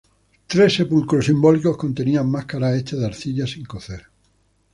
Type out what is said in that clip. Tres sepulcros simbólicos contenían máscaras hechas de arcilla sin cocer.